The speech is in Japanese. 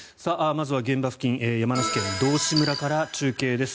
まずは現場付近山梨県道志村から中継です。